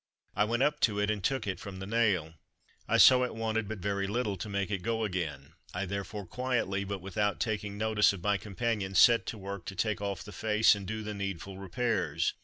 I went up to it, and took it from the nail. I saw it wanted but very little to make it go again. I therefore quietly, but without taking notice of my companions, set to work to take off the face and do the needful repairs.